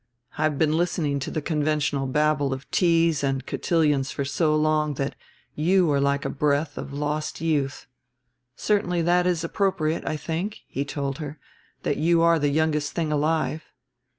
I have been listening to the conventional babble of teas and cotillions for so long that you are like a breath of lost youth. Certainly that is appropriate. I think," he told her, "that you are the youngest thing alive."